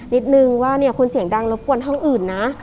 นิดนึงว่าเนี่ยคุณเสียงดังรบกวนห้องอื่นนะ